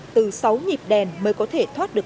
từ sáu nhịp đèn mới có thể thoát được